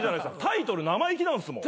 タイトル生意気なんすもん。